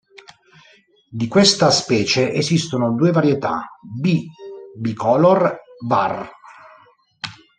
Di questa specie esistono due varietà: "B. bicolor" var.